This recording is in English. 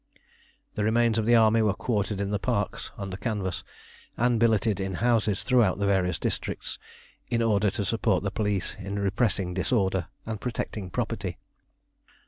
The remains of the army were quartered in the parks under canvas, and billeted in houses throughout the various districts, in order to support the police in repressing disorder and protecting property.